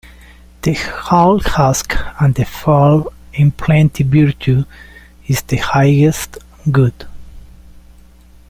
The hull husk and the full in plenty Virtue is the highest good.